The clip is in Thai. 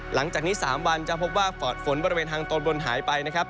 หลังจากนี้๓วันจะพบว่าฝนบริเวณทางตอนบนหายไปนะครับ